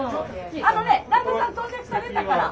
あのね旦那さん到着されたから。